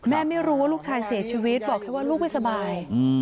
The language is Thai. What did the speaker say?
ไม่รู้ว่าลูกชายเสียชีวิตบอกแค่ว่าลูกไม่สบาย